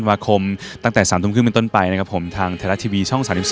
โปรดติดตามตอนต่อไป